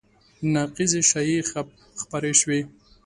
نقیضې شایعې خپرې شوې